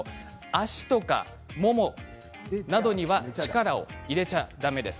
足とかももなどには力を入れてはだめです。